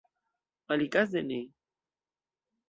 Alikaze ne.